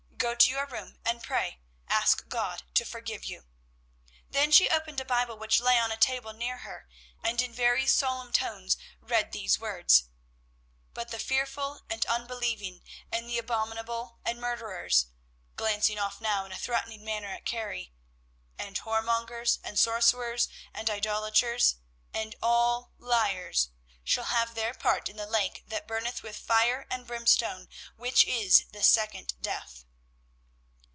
Go to your room and pray; ask God to forgive you." Then she opened a Bible which lay on a table near her, and in very solemn tones read these words, "'But the fearful and unbelieving, and the abominable, and murderers'" (glancing off now in a threatening manner at Carrie), "'and whoremongers, and sorcerers, and idolaters, and all liars shall have their part in the lake that burneth with fire and brimstone, which is the second death.'"